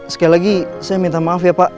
sekali lagi saya minta maaf ya pak